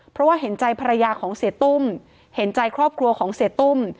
เพราะว่าเห็นใจภรรยาของเสียตุ้มเห็นใจครอบครัวของเสียตุ้ม